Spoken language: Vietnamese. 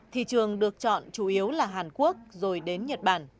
thị trường được chọn chủ yếu là hàn quốc rồi đến nhật bản